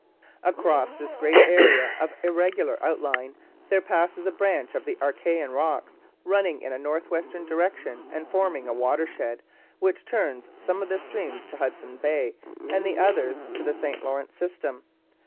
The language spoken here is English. Across this great area of irregular outline there passes a branch of the Archæan rocks running in a north western direction and forming a watershed, which turns some of the streams to Hudson Bay and the others to the St Lawrence system.